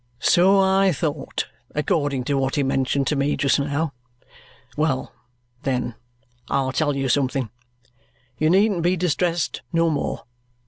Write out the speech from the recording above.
"So I thought, according to what he mentioned to me just now. Well, then, I'll tell you something. You needn't be distressed no more.